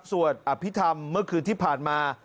สวดอภิษฐรรมเมื่อคืนที่ผ่านมา